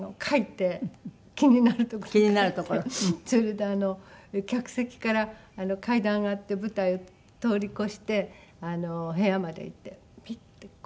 それで客席から階段上がって舞台を通り越して部屋まで行ってピッて紙を渡して。